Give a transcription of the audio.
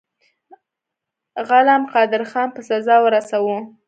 غلم قادرخان په سزا ورساوه.